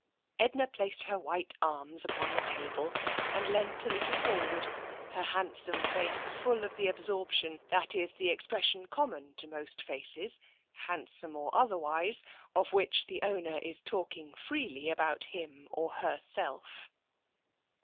Edna placed her white arms upon the table and leant a little forward, her handsome face full of the absorption that is the expression common to most faces, handsome or otherwise, of which the owner is talking freely about him or herself.